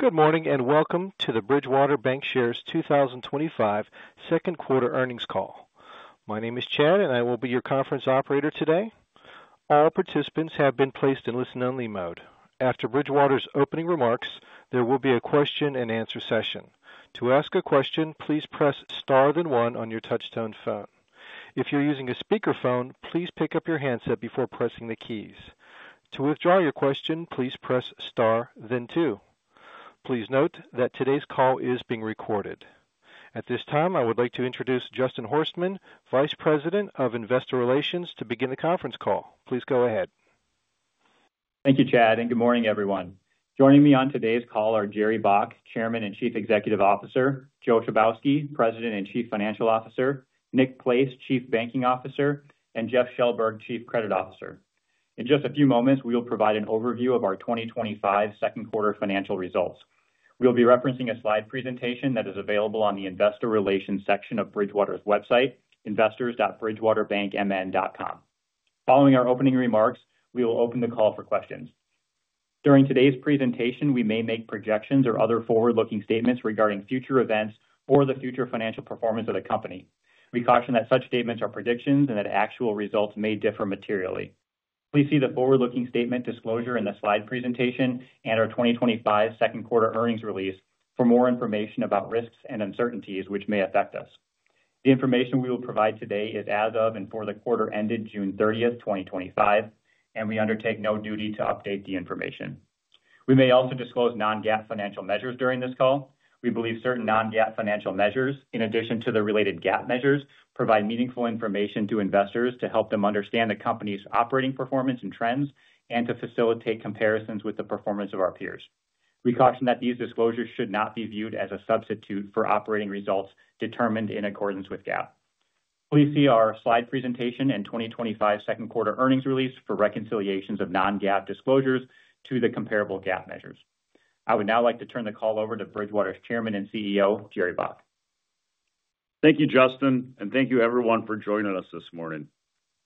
Good morning and welcome to the Bridgewater Bancshares 2025 second quarter earnings call. My name is Chad, and I will be your conference operator today. All participants have been placed in listen-only mode. After Bridgewater's opening remarks, there will be a question-and-answer session. To ask a question, please press star then one on your touch-tone phone. If you're using a speaker phone, please pick up your handset before pressing the keys. To withdraw your question, please press star then two. Please note that today's call is being recorded. At this time, I would like to introduce Justin Horstman, Vice President of Investor Relations, to begin the conference call. Please go ahead. Thank you, Chad, and good morning, everyone. Joining me on today's call are Jerry Baack, Chairman and Chief Executive Officer, Joe Chybowski, President and Chief Financial Officer, Nick Place, Chief Banking Officer, and Jeff Shellberg, Chief Credit Officer. In just a few moments, we will provide an overview of our 2025 second quarter financial results. We will be referencing a slide presentation that is available on the Investor Relations section of Bridgewater Bancshares' website, investors.bridgewaterbankmn.com. Following our opening remarks, we will open the call for questions. During today's presentation, we may make projections or other forward-looking statements regarding future events or the future financial performance of the company. We caution that such statements are predictions and that actual results may differ materially. Please see the forward-looking statement disclosure in the slide presentation and our 2025 second quarter earnings release for more information about risks and uncertainties which may affect us. The information we will provide today is as of and for the quarter ended June 30th, 2025, and we undertake no duty to update the information. We may also disclose non-GAAP financial measures during this call. We believe certain non-GAAP financial measures, in addition to the related GAAP measures, provide meaningful information to investors to help them understand the company's operating performance and trends and to facilitate comparisons with the performance of our peers. We caution that these disclosures should not be viewed as a substitute for operating results determined in accordance with GAAP. Please see our slide presentation and 2025 second quarter earnings release for reconciliations of non-GAAP disclosures to the comparable GAAP measures. I would now like to turn the call over to Bridgewater Bancshares' Chairman and CEO, Jerry Baack. Thank you, Justin, and thank you everyone for joining us this morning.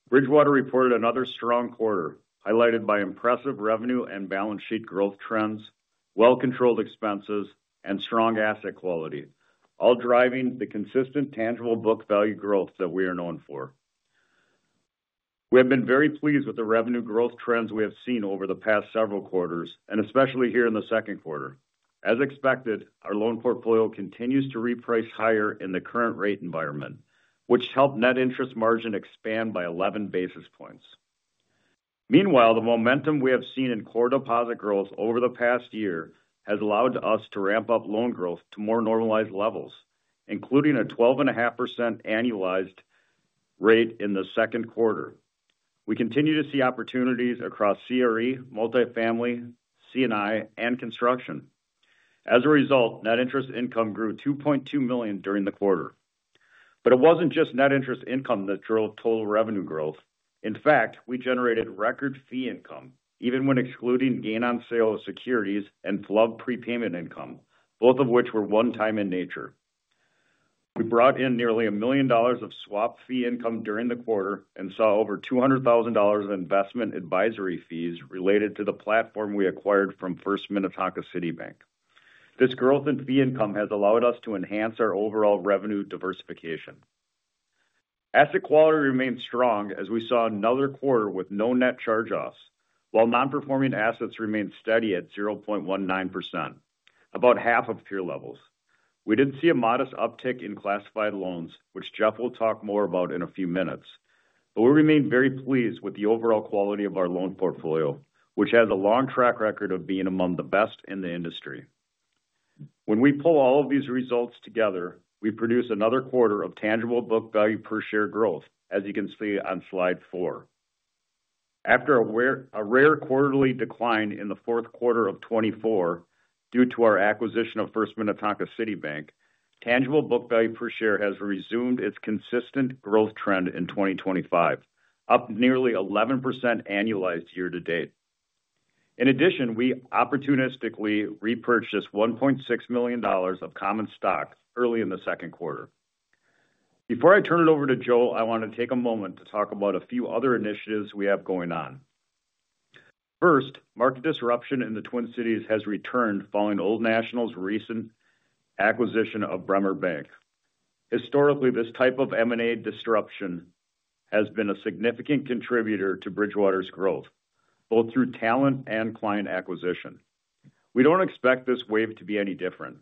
Bridgewater reported another strong quarter, highlighted by impressive revenue and balance sheet growth trends, well-controlled expenses, and strong asset quality, all driving the consistent tangible book value growth that we are known for. We have been very pleased with the revenue growth trends we have seen over the past several quarters, and especially here in the second quarter. As expected, our loan portfolio continues to reprice higher in the current rate environment, which helped net interest margin expand by 11 basis points. Meanwhile, the momentum we have seen in core deposit growth over the past year has allowed us to ramp up loan growth to more normalized levels, including a 12.5% annualized rate in the second quarter. We continue to see opportunities across CRE, multifamily, C&I, and construction. As a result, net interest income grew $2.2 million during the quarter. It wasn't just net interest income that drove total revenue growth. In fact, we generated record fee income, even when excluding gain on sale of securities and flood prepayment income, both of which were one-time in nature. We brought in nearly $1 million of swap fee income during the quarter and saw over $200,000 of investment advisory fees related to the platform we acquired from First Minnetonka City Bank. This growth in fee income has allowed us to enhance our overall revenue diversification. Asset quality remained strong as we saw another quarter with no net charge-offs, while non-performing assets remained steady at 0.19%, about half of peer levels. We did see a modest uptick in classified loans, which Jeff will talk more about in a few minutes, but we remained very pleased with the overall quality of our loan portfolio, which has a long track record of being among the best in the industry. When we pull all of these results together, we produce another quarter of tangible book value per share growth, as you can see on slide four. After a rare quarterly decline in the fourth quarter of 2024 due to our acquisition of First Minnetonka City Bank, tangible book value per share has resumed its consistent growth trend in 2025, up nearly 11% annualized year to date. In addition, we opportunistically repurchased $1.6 million of common stock early in the second quarter. Before I turn it over to Joe, I want to take a moment to talk about a few other initiatives we have going on. First, market disruption in the Twin Cities has returned following Old National's recent acquisition of Bremer Bank. Historically, this type of M&A disruption has been a significant contributor to Bridgewater's growth, both through talent and client acquisition. We don't expect this wave to be any different.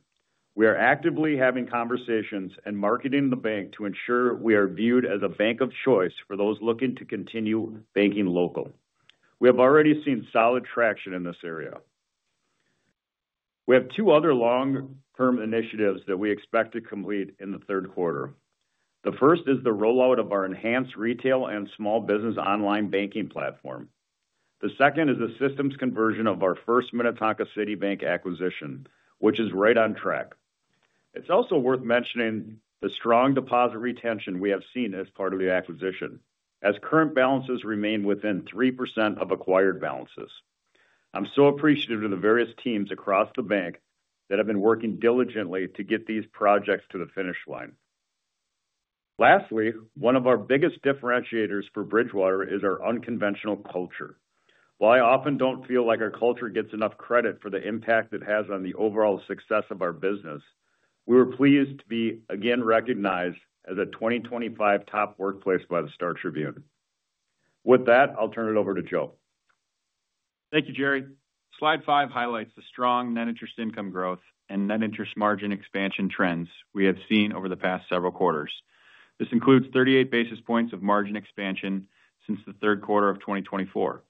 We are actively having conversations and marketing the bank to ensure we are viewed as a bank of choice for those looking to continue banking local. We have already seen solid traction in this area. We have two other long-term initiatives that we expect to complete in the third quarter. The first is the rollout of our enhanced retail and small business online banking platform. The second is the systems conversion of our First Minnetonka City Bank acquisition, which is right on track. It's also worth mentioning the strong deposit retention we have seen as part of the acquisition, as current balances remain within 3% of acquired balances. I'm so appreciative to the various teams across the bank that have been working diligently to get these projects to the finish line. Lastly, one of our biggest differentiators for Bridgewater is our unconventional culture. While I often don't feel like our culture gets enough credit for the impact it has on the overall success of our business, we were pleased to be again recognized as a 2025 top workplace by the Star Tribune. With that, I'll turn it over to Joe. Thank you, Jerry. Slide five highlights the strong net interest income growth and net interest margin expansion trends we have seen over the past several quarters. This includes 38 basis points of margin expansion since the third quarter of 2024.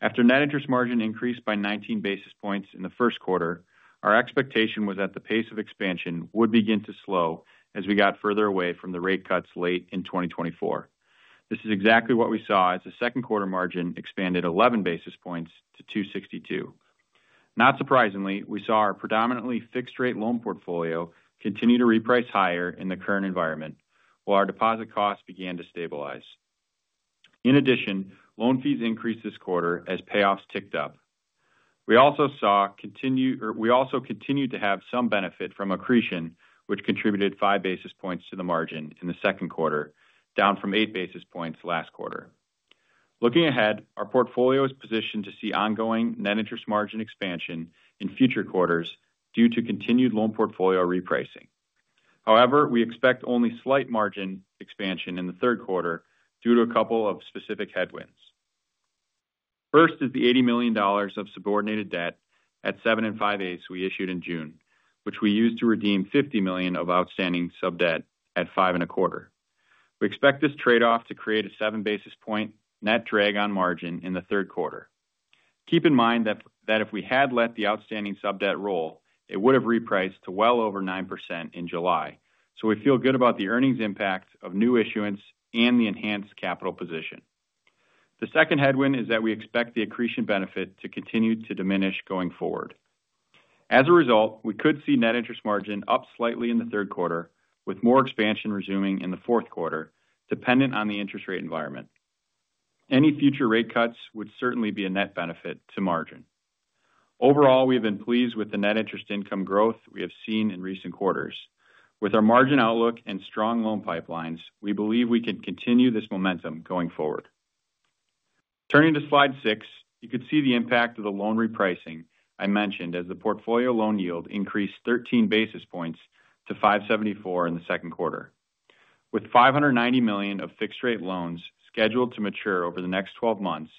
After net interest margin increased by 19 basis points in the first quarter, our expectation was that the pace of expansion would begin to slow as we got further away from the rate cuts late in 2024. This is exactly what we saw as the second quarter margin expanded 11 basis points to 2.62%. Not surprisingly, we saw our predominantly fixed-rate loan portfolio continue to reprice higher in the current environment, while our deposit costs began to stabilize. In addition, loan fees increased this quarter as payoffs ticked up. We also continued to have some benefit from accretion, which contributed 5 basis points to the margin in the second quarter, down from 8 basis points last quarter. Looking ahead, our portfolio is positioned to see ongoing net interest margin expansion in future quarters due to continued loan portfolio repricing. However, we expect only slight margin expansion in the third quarter due to a couple of specific headwinds. First is the $80 million of subordinated debt at 7.625% we issued in June, which we used to redeem $50 million of outstanding sub-debt at 5.25%. We expect this trade-off to create a 7 basis point net drag on margin in the third quarter. Keep in mind that if we had let the outstanding sub-debt roll, it would have repriced to well over 9% in July, so we feel good about the earnings impact of new issuance and the enhanced capital position. The second headwind is that we expect the accretion benefit to continue to diminish going forward. As a result, we could see net interest margin up slightly in the third quarter, with more expansion resuming in the fourth quarter, dependent on the interest rate environment. Any future rate cuts would certainly be a net benefit to margin. Overall, we have been pleased with the net interest income growth we have seen in recent quarters. With our margin outlook and strong loan pipelines, we believe we can continue this momentum going forward. Turning to slide six, you could see the impact of the loan repricing I mentioned as the portfolio loan yield increased 13 basis points to 5.74% in the second quarter. With $590 million of fixed-rate loans scheduled to mature over the next 12 months,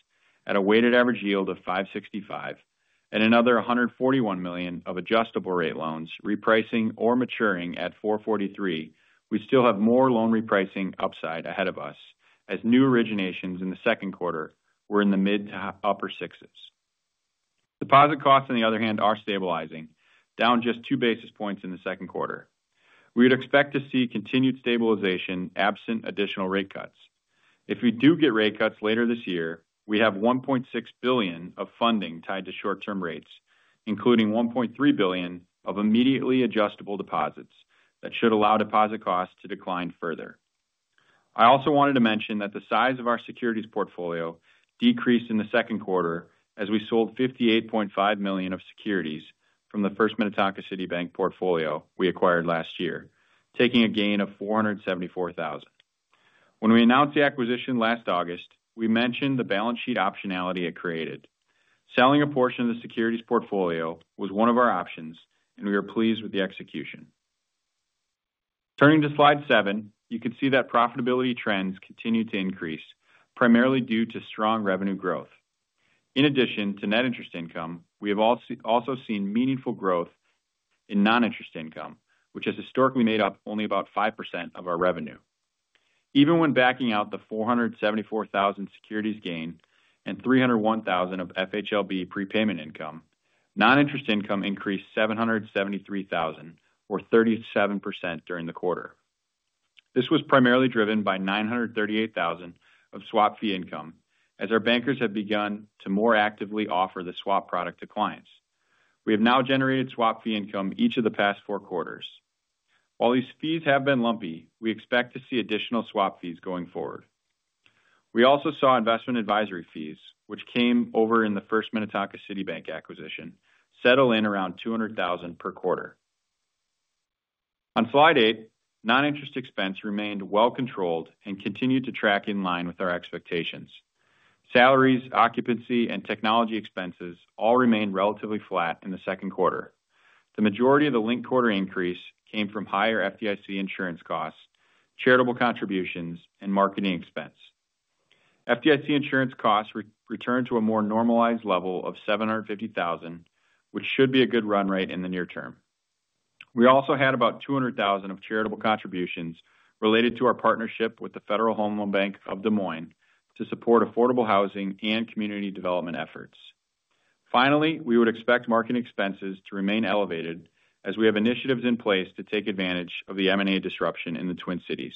at a weighted average yield of 5.65%, and another $141 million of adjustable-rate loans repricing or maturing at 4.43%, we still have more loan repricing upside ahead of us, as new originations in the second quarter were in the mid to upper sixes. Deposit costs, on the other hand, are stabilizing, down just two basis points in the second quarter. We would expect to see continued stabilization absent additional rate cuts. If we do get rate cuts later this year, we have $1.6 billion of funding tied to short-term rates, including $1.3 billion of immediately adjustable deposits that should allow deposit costs to decline further. I also wanted to mention that the size of our securities portfolio decreased in the second quarter as we sold $58.5 million of securities from the First Minnetonka City Bank portfolio we acquired last year, taking a gain of $474,000. When we announced the acquisition last August, we mentioned the balance sheet optionality it created. Selling a portion of the securities portfolio was one of our options, and we are pleased with the execution. Turning to slide seven, you can see that profitability trends continue to increase, primarily due to strong revenue growth. In addition to net interest income, we have also seen meaningful growth in non-interest income, which has historically made up only about 5% of our revenue. Even when backing out the $474,000 securities gain and $301,000 of FHLB prepayment income, non-interest income increased $773,000, or 37% during the quarter. This was primarily driven by $938,000 of swap fee income, as our bankers have begun to more actively offer the swap product to clients. We have now generated swap fee income each of the past four quarters. While these fees have been lumpy, we expect to see additional swap fees going forward. We also saw investment advisory fees, which came over in the First Minnetonka City Bank acquisition, settle in around $200,000 per quarter. On slide eight, non-interest expense remained well controlled and continued to track in line with our expectations. Salaries, occupancy, and technology expenses all remained relatively flat in the second quarter. The majority of the linked quarter increase came from higher FDIC insurance costs, charitable contributions, and marketing expense. FDIC insurance costs returned to a more normalized level of $750,000, which should be a good run rate in the near term. We also had about $200,000 of charitable contributions related to our partnership with the Federal Home Loan Bank of Des Moines to support affordable housing and community development efforts. Finally, we would expect market expenses to remain elevated as we have initiatives in place to take advantage of the M&A disruption in the Twin Cities.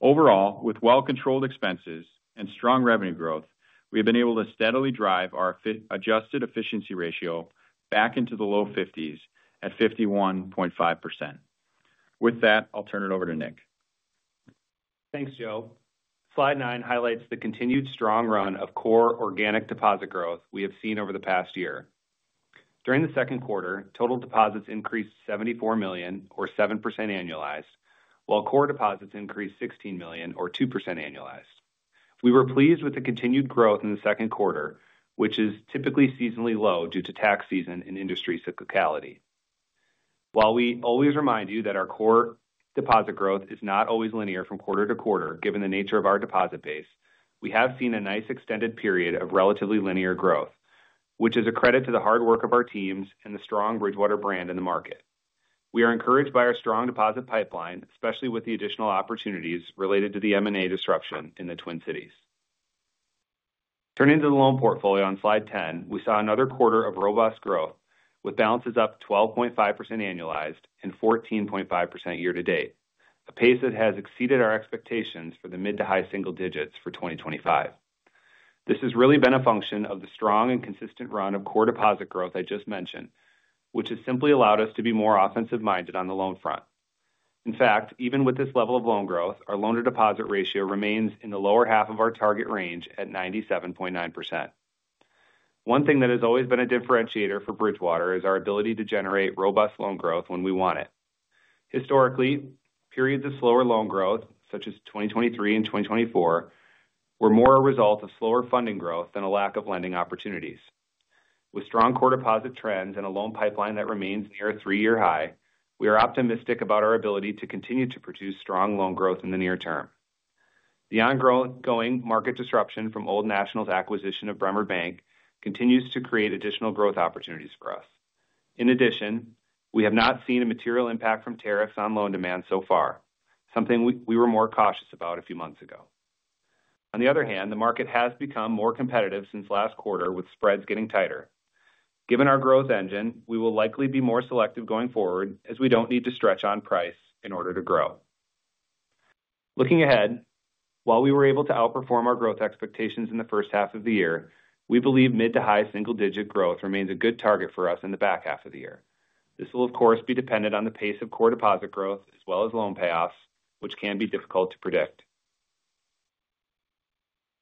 Overall, with well-controlled expenses and strong revenue growth, we have been able to steadily drive our adjusted efficiency ratio back into the low 50s at 51.5%. With that, I'll turn it over to Nick. Thanks, Joe. Slide nine highlights the continued strong run of core organic deposit growth we have seen over the past year. During the second quarter, total deposits increased $74 million, or 7% annualized, while core deposits increased $16 million, or 2% annualized. We were pleased with the continued growth in the second quarter, which is typically seasonally low due to tax season and industry cyclicality. While we always remind you that our core deposit growth is not always linear from quarter to quarter, given the nature of our deposit base, we have seen a nice extended period of relatively linear growth, which is a credit to the hard work of our teams and the strong Bridgewater brand in the market. We are encouraged by our strong deposit pipeline, especially with the additional opportunities related to the M&A disruption in the Twin Cities. Turning to the loan portfolio on slide ten, we saw another quarter of robust growth, with balances up 12.5% annualized and 14.5% year-to-date, a pace that has exceeded our expectations for the mid to high single digits for 2025. This has really been a function of the strong and consistent run of core deposit growth I just mentioned, which has simply allowed us to be more offensive-minded on the loan front. In fact, even with this level of loan growth, our loan-to-deposit ratio remains in the lower half of our target range at 97.9%. One thing that has always been a differentiator for Bridgewater is our ability to generate robust loan growth when we want it. Historically, periods of slower loan growth, such as 2023 and 2024, were more a result of slower funding growth than a lack of lending opportunities. With strong core deposit trends and a loan pipeline that remains near a three-year high, we are optimistic about our ability to continue to produce strong loan growth in the near term. The ongoing market disruption from Old National's acquisition of Bremer Bank continues to create additional growth opportunities for us. In addition, we have not seen a material impact from tariffs on loan demand so far, something we were more cautious about a few months ago. On the other hand, the market has become more competitive since last quarter, with spreads getting tighter. Given our growth engine, we will likely be more selective going forward, as we don't need to stretch on price in order to grow. Looking ahead, while we were able to outperform our growth expectations in the first half of the year, we believe mid to high single-digit growth remains a good target for us in the back half of the year. This will, of course, be dependent on the pace of core deposit growth as well as loan payoffs, which can be difficult to predict.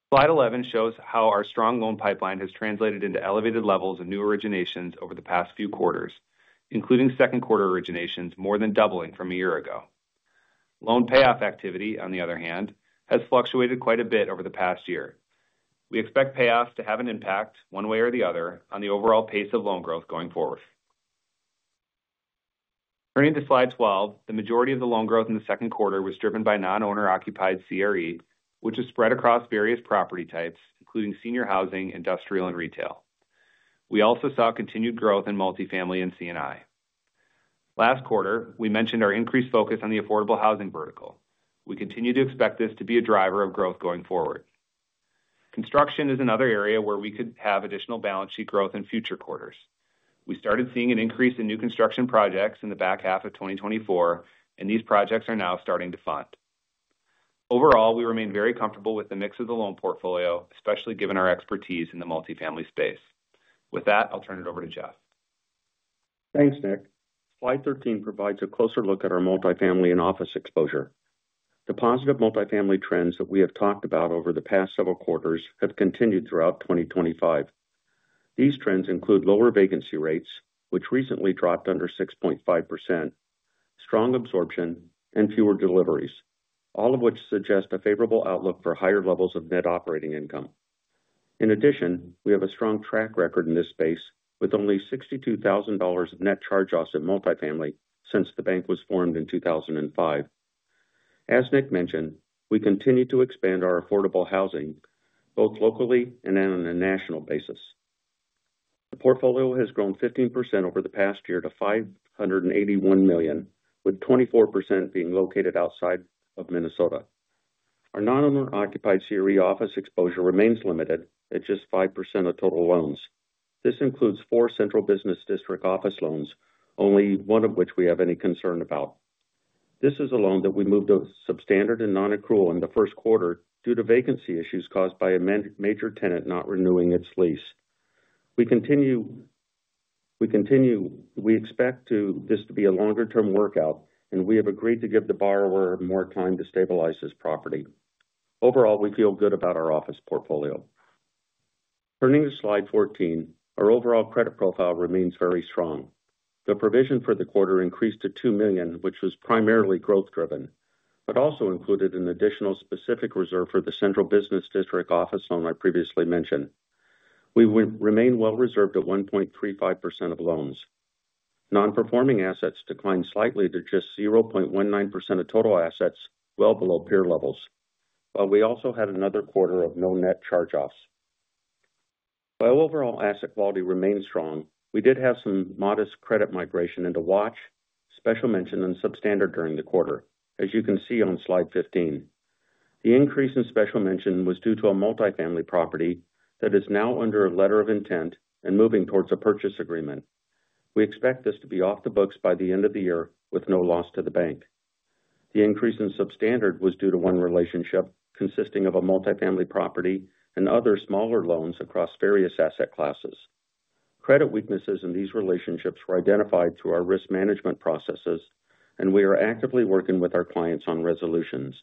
Slide 11 shows how our strong loan pipeline has translated into elevated levels and new originations over the past few quarters, including second quarter originations more than doubling from a year ago. Loan payoff activity, on the other hand, has fluctuated quite a bit over the past year. We expect payoffs to have an impact, one way or the other, on the overall pace of loan growth going forward. Turning to slide 12, the majority of the loan growth in the second quarter was driven by non-owner occupied CRE, which is spread across various property types, including senior housing, industrial, and retail. We also saw continued growth in multifamily and C&I. Last quarter, we mentioned our increased focus on the affordable housing vertical. We continue to expect this to be a driver of growth going forward. Construction is another area where we could have additional balance sheet growth in future quarters. We started seeing an increase in new construction projects in the back half of 2024, and these projects are now starting to fund. Overall, we remain very comfortable with the mix of the loan portfolio, especially given our expertise in the multifamily space. With that, I'll turn it over to Jeff. Thanks, Nick. Slide 13 provides a closer look at our multifamily and office exposure. The positive multifamily trends that we have talked about over the past several quarters have continued throughout 2025. These trends include lower vacancy rates, which recently dropped under 6.5%, strong absorption, and fewer deliveries, all of which suggest a favorable outlook for higher levels of net operating income. In addition, we have a strong track record in this space, with only $62,000 of net charge-offs in multifamily since the bank was formed in 2005. As Nick mentioned, we continue to expand our affordable housing, both locally and on a national basis. The portfolio has grown 15% over the past year to $581 million, with 24% being located outside of Minnesota. Our non-owner occupied CRE office exposure remains limited at just 5% of total loans. This includes four central business district office loans, only one of which we have any concern about. This is a loan that we moved to substandard and non-accrual in the first quarter due to vacancy issues caused by a major tenant not renewing its lease. We expect this to be a longer-term workout, and we have agreed to give the borrower more time to stabilize this property. Overall, we feel good about our office portfolio. Turning to slide 14, our overall credit profile remains very strong. The provision for the quarter increased to $2 million, which was primarily growth-driven, but also included an additional specific reserve for the central business district office loan I previously mentioned. We remain well-reserved at 1.35% of loans. Non-performing assets declined slightly to just 0.19% of total assets, well below peer levels, while we also had another quarter of no net charge-offs. While overall asset quality remains strong, we did have some modest credit migration into watch, special mention, and substandard during the quarter, as you can see on slide 15. The increase in special mention was due to a multifamily property that is now under a letter of intent and moving towards a purchase agreement. We expect this to be off the books by the end of the year with no loss to the bank. The increase in substandard was due to one relationship consisting of a multifamily property and other smaller loans across various asset classes. Credit weaknesses in these relationships were identified through our risk management processes, and we are actively working with our clients on resolutions.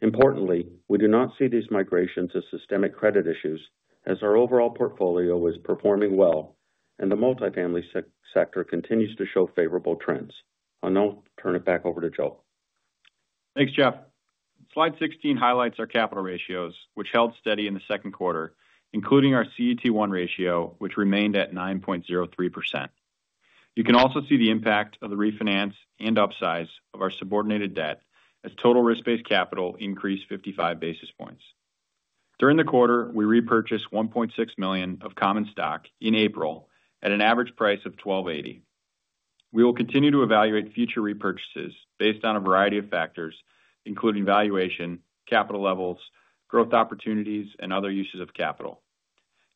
Importantly, we do not see these migrations as systemic credit issues, as our overall portfolio is performing well, and the multifamily sector continues to show favorable trends. I'll now turn it back over to Joe. Thanks, Jeff. Slide 16 highlights our capital ratios, which held steady in the second quarter, including our CET1 ratio, which remained at 9.03%. You can also see the impact of the refinance and upsize of our subordinated debt, as total risk-based capital increased 55 basis points. During the quarter, we repurchased $1.6 million of common stock in April at an average price of $1,280. We will continue to evaluate future repurchases based on a variety of factors, including valuation, capital levels, growth opportunities, and other uses of capital.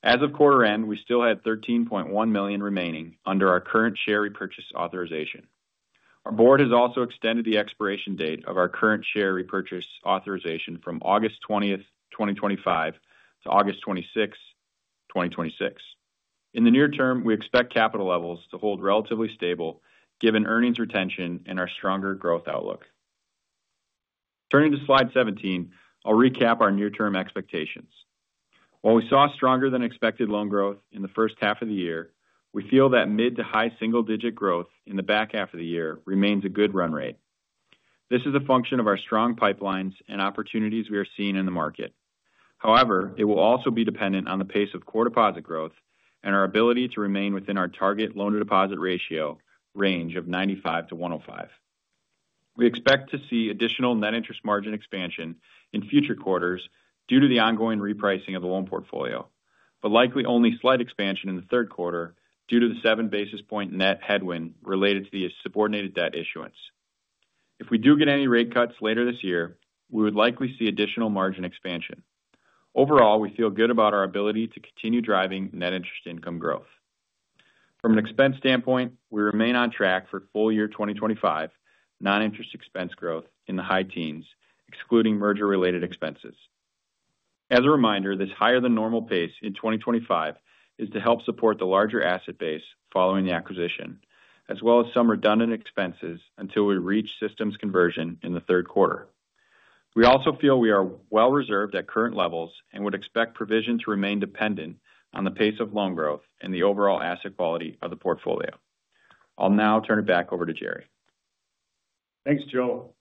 As of quarter end, we still had $13.1 million remaining under our current share repurchase authorization. Our board has also extended the expiration date of our current share repurchase authorization from August 20th, 2025 to August 26, 2026. In the near term, we expect capital levels to hold relatively stable, given earnings retention and our stronger growth outlook. Turning to slide 17, I'll recap our near-term expectations. While we saw stronger than expected loan growth in the first half of the year, we feel that mid to high single-digit growth in the back half of the year remains a good run rate. This is a function of our strong pipelines and opportunities we are seeing in the market. However, it will also be dependent on the pace of core deposit growth and our ability to remain within our target loan-to-deposit ratio range of 95:105. We expect to see additional net interest margin expansion in future quarters due to the ongoing repricing of the loan portfolio, but likely only slight expansion in the third quarter due to the seven basis point net headwind related to the subordinated debt issuance. If we do get any rate cuts later this year, we would likely see additional margin expansion. Overall, we feel good about our ability to continue driving net interest income growth. From an expense standpoint, we remain on track for full-year 2025 non-interest expense growth in the high teens, excluding merger-related expenses. As a reminder, this higher-than-normal pace in 2025 is to help support the larger asset base following the acquisition, as well as some redundant expenses until we reach systems conversion in the third quarter. We also feel we are well-reserved at current levels and would expect provision to remain dependent on the pace of loan growth and the overall asset quality of the portfolio. I'll now turn it back over to Jerry. Thanks, Joe.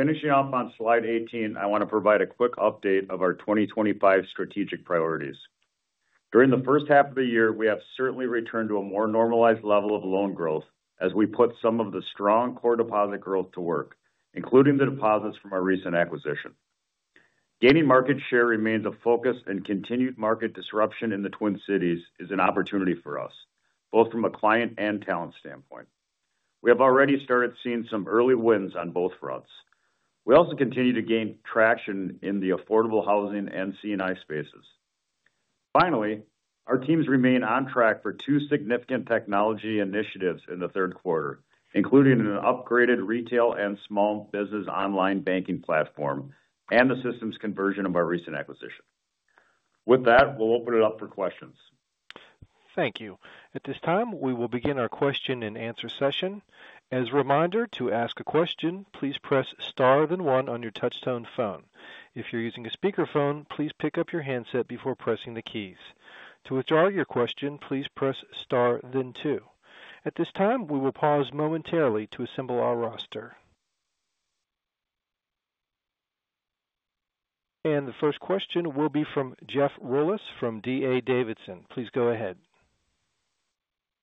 Finishing up on slide 18, I want to provide a quick update of our 2025 strategic priorities. During the first half of the year, we have certainly returned to a more normalized level of loan growth as we put some of the strong core deposit growth to work, including the deposits from our recent acquisition. Gaining market share remains a focus, and continued market disruption in the Twin Cities is an opportunity for us, both from a client and talent standpoint. We have already started seeing some early wins on both fronts. We also continue to gain traction in the affordable housing and C&I spaces. Finally, our teams remain on track for two significant technology initiatives in the third quarter, including an upgraded retail and small business online banking platform and the systems conversion of our recent acquisition. With that, we'll open it up for questions. Thank you. At this time, we will begin our question and answer session. As a reminder, to ask a question, please press star, one on your touch-tone phone. If you're using a speaker phone, please pick up your handset before pressing the keys. To withdraw your question, please press star, two. At this time, we will pause momentarily to assemble our roster. The first question will be from Jeff Rulis from D.A. Davidson. Please go ahead.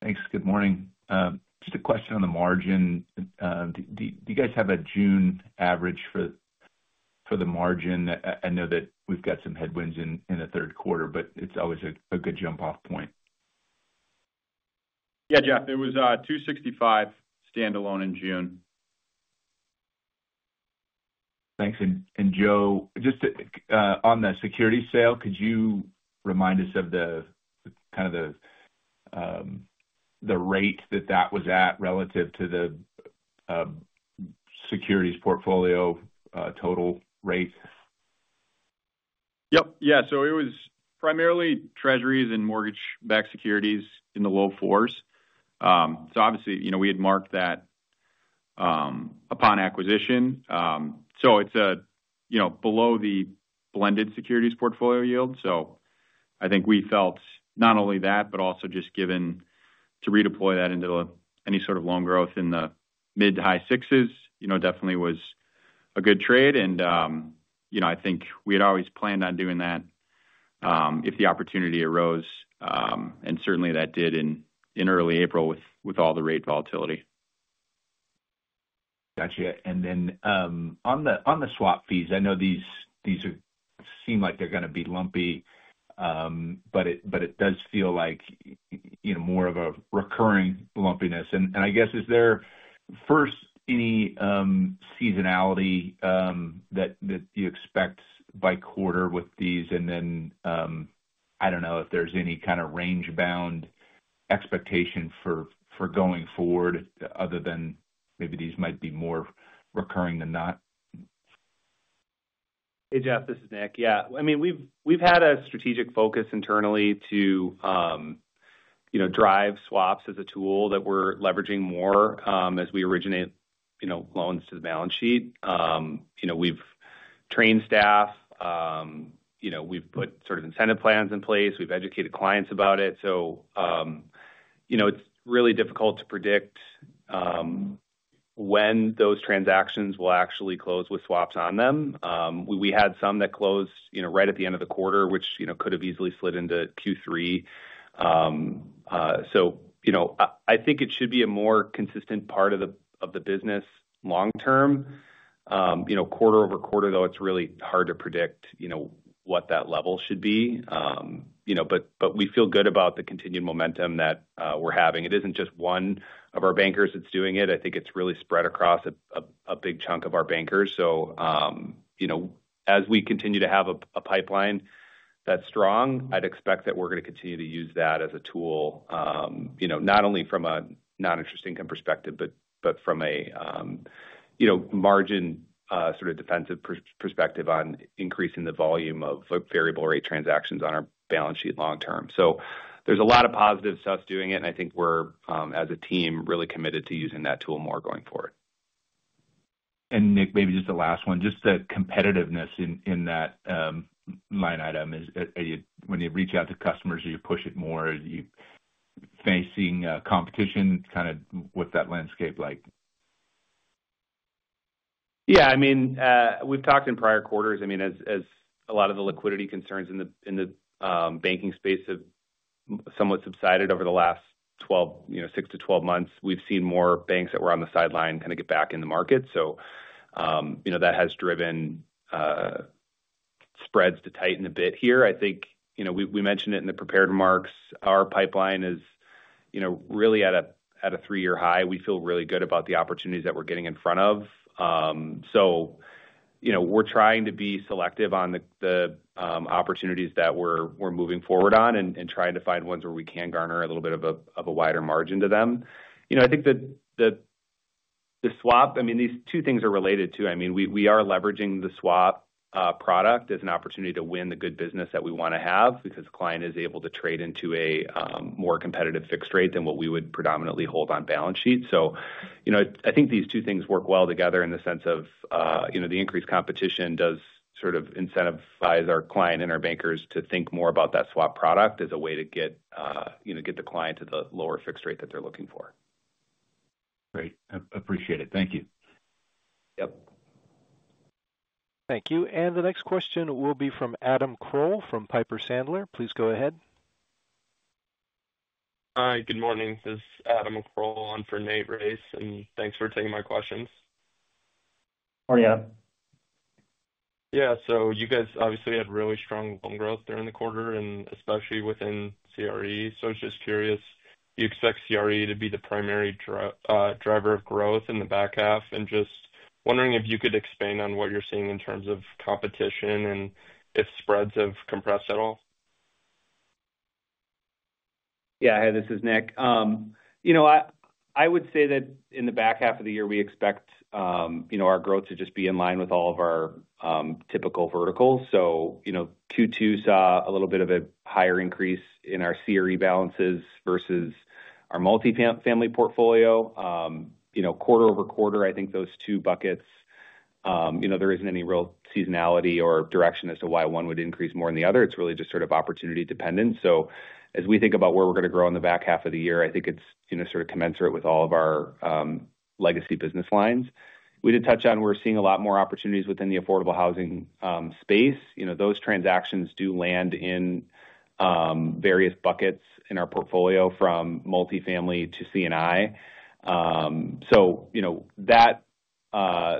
Thanks. Good morning. Just a question on the margin. Do you guys have a June average for the margin? I know that we've got some headwinds in the third quarter, but it's always a good jump-off point. Yeah, Jeff, it was $265 standalone in June. Thanks. Joe, just on the securities sale, could you remind us of the kind of the rate that that was at relative to the securities portfolio total rate? Yeah. It was primarily Treasuries and mortgage-backed securities in the low fours. Obviously, we had marked that upon acquisition. It's below the blended securities portfolio yield. I think we felt not only that, but also just given to redeploy that into any sort of loan growth in the mid to high sixes definitely was a good trade. I think we had always planned on doing that if the opportunity arose, and certainly that did in early April with all the rate volatility. Gotcha. On the swap fees, I know these seem like they're going to be lumpy, but it does feel like, you know, more of a recurring lumpiness. I guess, is there first any seasonality that you expect by quarter with these? I don't know if there's any kind of range-bound expectation for going forward other than maybe these might be more recurring than not. Hey, Jeff, this is Nick. Yeah, we've had a strategic focus internally to drive swaps as a tool that we're leveraging more as we originate loans to the balance sheet. We've trained staff. We've put sort of incentive plans in place. We've educated clients about it. It's really difficult to predict when those transactions will actually close with swaps on them. We had some that closed right at the end of the quarter, which could have easily slid into Q3. I think it should be a more consistent part of the business long term. Quarter-over-quarter, though, it's really hard to predict what that level should be. We feel good about the continued momentum that we're having. It isn't just one of our bankers that's doing it. I think it's really spread across a big chunk of our bankers. As we continue to have a pipeline that's strong, I'd expect that we're going to continue to use that as a tool, not only from a non-interest income perspective, but from a margin sort of defensive perspective on increasing the volume of variable rate transactions on our balance sheet long term. There's a lot of positive stuff doing it, and I think we're, as a team, really committed to using that tool more going forward. Nick, maybe just the last one, just the competitiveness in that line item. When you reach out to customers, do you push it more? Are you facing competition? What's that landscape like? Yeah, I mean, we've talked in prior quarters. As a lot of the liquidity concerns in the banking space have somewhat subsided over the last 6-12 months, we've seen more banks that were on the sideline kind of get back in the market. That has driven spreads to tighten a bit here. I think, you know, we mentioned it in the prepared remarks. Our pipeline is really at a three-year high. We feel really good about the opportunities that we're getting in front of. We're trying to be selective on the opportunities that we're moving forward on and trying to find ones where we can garner a little bit of a wider margin to them. I think that the swap, I mean, these two things are related too. We are leveraging the swap product as an opportunity to win the good business that we want to have because the client is able to trade into a more competitive fixed rate than what we would predominantly hold on balance sheets. I think these two things work well together in the sense of the increased competition does sort of incentivize our client and our bankers to think more about that swap product as a way to get the client to the lower fixed rate that they're looking for. Great. Appreciate it. Thank you. Yep. Thank you. The next question will be from Adam Kroll from Piper Sandler. Please go ahead. Hi, good morning. This is Adam Kroll on for Nathan Race, and thanks for taking my questions. Morning, Adam. Yeah, you guys obviously had really strong loan growth during the quarter, especially within CRE. I was just curious if you expect CRE to be the primary driver of growth in the back half, and just wondering if you could expand on what you're seeing in terms of competition and if spreads have compressed at all. Yeah, hey, this is Nick. I would say that in the back half of the year, we expect our growth to just be in line with all of our typical verticals. Q2 saw a little bit of a higher increase in our CRE balances versus our multifamily portfolio. Quarter over quarter, I think those two buckets, there isn't any real seasonality or direction as to why one would increase more than the other. It's really just sort of opportunity-dependent. As we think about where we're going to grow in the back half of the year, I think it's sort of commensurate with all of our legacy business lines. We did touch on we're seeing a lot more opportunities within the affordable housing space. Those transactions do land in various buckets in our portfolio from multifamily to C&I.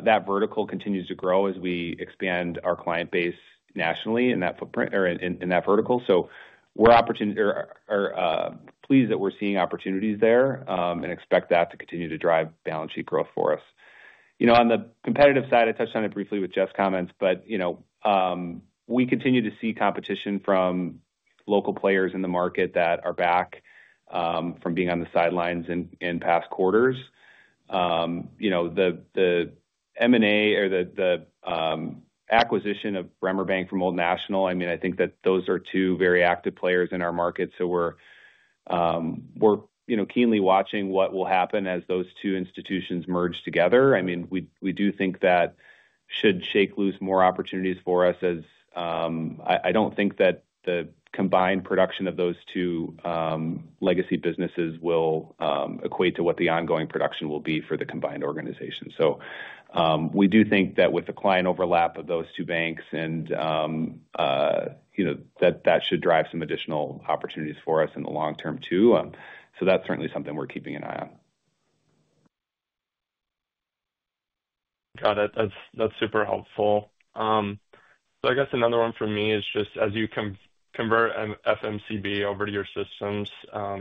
That vertical continues to grow as we expand our client base nationally in that footprint or in that vertical. We're pleased that we're seeing opportunities there and expect that to continue to drive balance sheet growth for us. On the competitive side, I touched on it briefly with Jeff's comments, but we continue to see competition from local players in the market that are back from being on the sidelines in past quarters. The M&A or the acquisition of Bremer Bank from Old National, I think that those are two very active players in our market. We're keenly watching what will happen as those two institutions merge together. We do think that should shake loose more opportunities for us as I don't think that the combined production of those two legacy businesses will equate to what the ongoing production will be for the combined organization. We do think that with the client overlap of those two banks, that should drive some additional opportunities for us in the long term too. That's certainly something we're keeping an eye on. Yeah, that's super helpful. I guess another one for me is just as you convert FMCB over to your systems,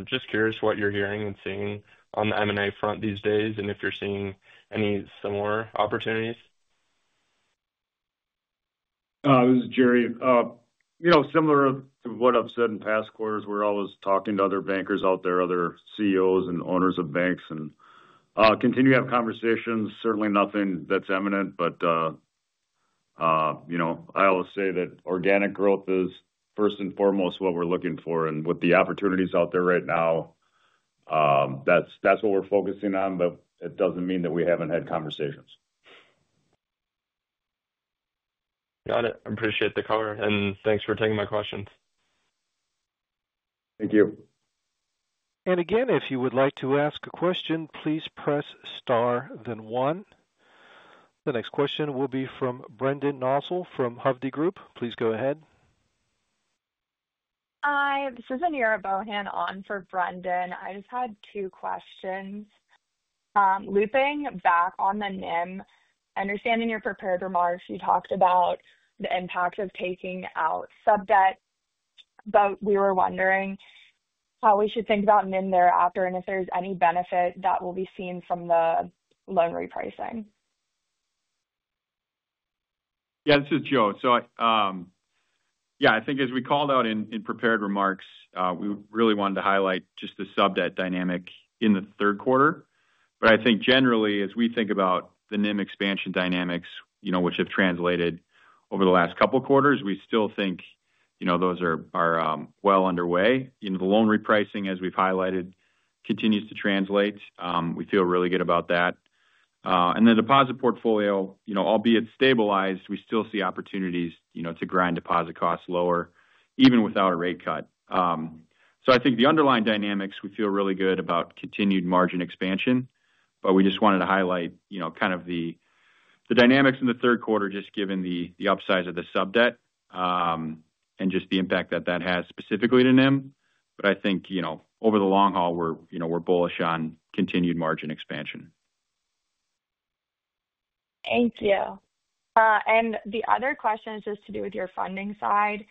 just curious what you're hearing and seeing on the M&A front these days and if you're seeing any similar opportunities. This is Jerry. Similar to what I've said in past quarters, we're always talking to other bankers out there, other CEOs and owners of banks, and continue to have conversations. Certainly nothing that's imminent, but I always say that organic growth is first and foremost what we're looking for. With the opportunities out there right now, that's what we're focusing on, but it doesn't mean that we haven't had conversations. Got it. I appreciate the cover, and thanks for taking my questions. Thank you. If you would like to ask a question, please press star then one. The next question will be from Brendan Nosal from Hovde Group. Please go ahead. Hi, this is Ynyra Bohan on for Brendan. I just had two questions. Looping back on the NIM, understanding your prepared remarks, you talked about the impact of taking out sub-debt, but we were wondering how we should think about NIM thereafter and if there's any benefit that will be seen from the loan repricing. Yeah, this is Joe. I think as we called out in prepared remarks, we really wanted to highlight just the sub-debt dynamic in the third quarter. I think generally, as we think about the NIM expansion dynamics, which have translated over the last couple of quarters, we still think those are well underway. The loan repricing, as we've highlighted, continues to translate. We feel really good about that. The deposit portfolio, albeit stabilized, we still see opportunities to grind deposit costs lower, even without a rate cut. I think the underlying dynamics, we feel really good about continued margin expansion. We just wanted to highlight the dynamics in the third quarter, given the upsize of the sub-debt and the impact that has specifically to NIM. I think over the long haul, we're bullish on continued margin expansion. Thank you. The other question is just to do with your funding side.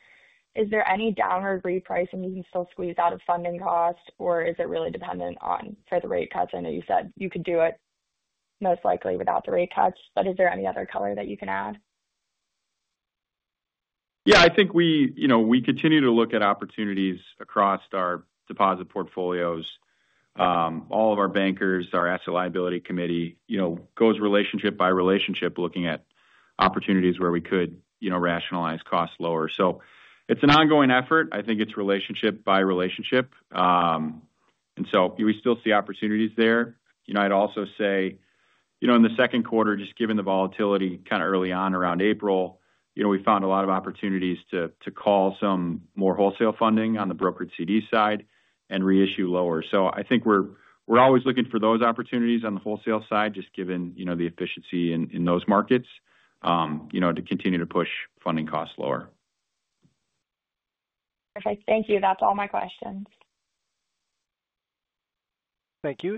Is there any downward reprice you can still squeeze out of funding costs, or is it really dependent on the rate cuts? I know you said you could do it most likely without the rate cuts, but is there any other color that you can add? Yeah, I think we continue to look at opportunities across our deposit portfolios. All of our bankers, our asset liability committee, goes relationship by relationship, looking at opportunities where we could rationalize costs lower. It's an ongoing effort. I think it's relationship by relationship, and we still see opportunities there. I'd also say in the second quarter, just given the volatility kind of early on around April, we found a lot of opportunities to call some more wholesale funding on the brokered CD side and reissue lower. I think we're always looking for those opportunities on the wholesale side, just given the efficiency in those markets to continue to push funding costs lower. Perfect. Thank you. That's all my questions. Thank you.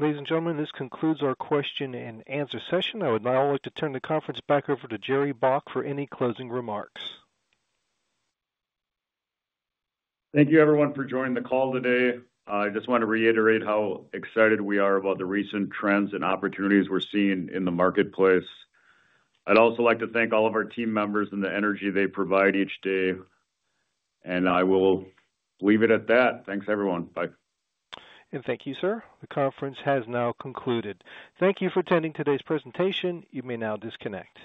Ladies and gentlemen, this concludes our question and answer session. I would now like to turn the conference back over to Jerry Baack for any closing remarks. Thank you, everyone, for joining the call today. I just want to reiterate how excited we are about the recent trends and opportunities we're seeing in the marketplace. I'd also like to thank all of our team members and the energy they provide each day. I will leave it at that. Thanks, everyone. Bye. Thank you, sir. The conference has now concluded. Thank you for attending today's presentation. You may now disconnect.